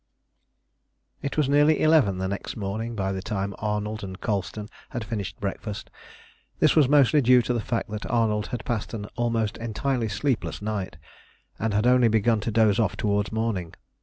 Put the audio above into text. It was nearly eleven the next morning by the time Arnold and Colston had finished breakfast. This was mostly due to the fact that Arnold had passed an almost entirely sleepless night, and had only begun to doze off towards morning.